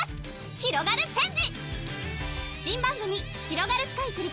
ひろがるチェンジ！